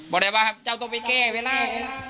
บอกได้ป่ะครับเจ้าต้องไปแก้เวลา